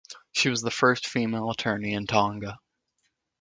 She was the first female attorney in Tonga.